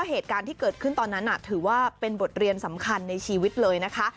เหตุการณ์ที่เกิดขึ้นตอนนั้นถือว่าเป็นบทเรียนสำคัญในชีวิตเลยนะคะ